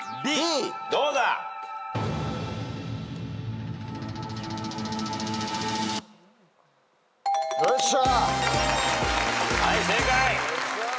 どうだ？よっしゃ。